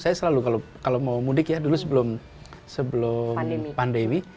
saya selalu kalau mau mudik ya dulu sebelum pandemi